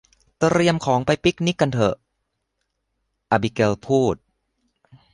เตรียมของไปปิกนิกกันเถอะ อบิเกลพูด